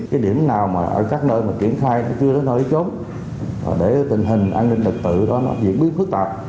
cái điểm nào mà ở các nơi mà kiểm khai nó chưa đến nơi chốn để tình hình an ninh lực tự đó nó diễn biến phức tạp